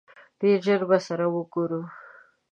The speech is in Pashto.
ډېر ژر به سره ګورو!